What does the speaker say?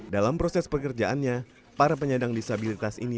dalam proses pekerjaannya para penyandang disabilitas ini